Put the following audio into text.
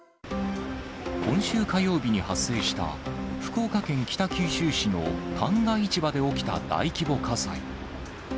今週火曜日に発生した、福岡県北九州市の旦過市場で起きた大規模火災。